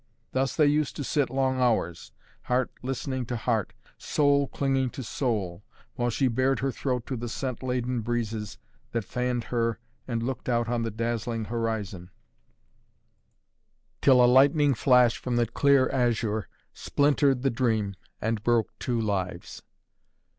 Thus they used to sit long hours, heart listening to heart, soul clinging to soul, while she bared her throat to the scent laden breezes that fanned her and looked out on the dazzling horizon till a lightning flash from the clear azure splintered the dream and broke two lives.